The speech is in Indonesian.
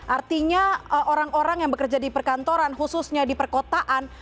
artinya orang orang yang bekerja di perkantoran khususnya di perkotaan